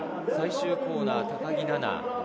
最終コーナー、高木菜那。